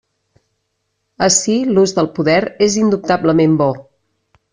Ací l'ús del poder és indubtablement bo.